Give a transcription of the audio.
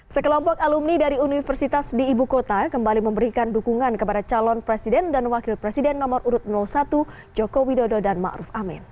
sekelompok alumni dari universitas di ibu kota kembali memberikan dukungan kepada calon presiden dan wakil presiden nomor urut satu jokowi dodo dan ma'ruf amin